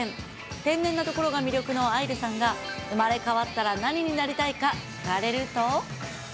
天然なところが魅力の愛流さんが、生まれ変わったら何になりたいか聞かれると。